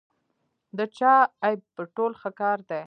د چا عیب پټول ښه کار دی.